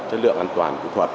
chất lượng an toàn kỹ thuật